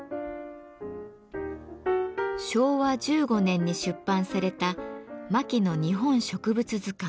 昭和１５年に出版された「牧野日本植物図鑑」。